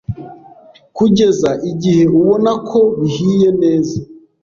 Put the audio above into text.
kugeza igihe ubona ko bihiye neza.